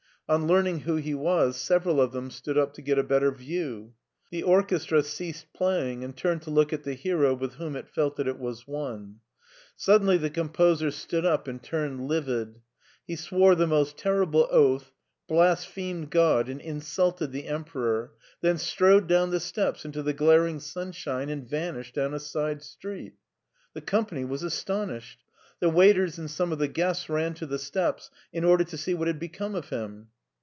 On learning who he was, several of them stood up to get a better view. The orchestra ceased playing and turned to look at the hero with whom it felt that it was one. Suddenly the composer stood up and turned livid. He swore the most terrible oath, blasphemed God and insulted the Emperor, then strode down the steps into the glaring simshine and vanished down a side street. The company was astonished. The waiters and some of the guests ran to the steps in order to see what had become of him.